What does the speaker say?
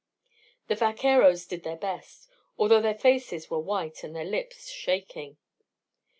The vaqueros did their best, although their faces were white and their lips shaking.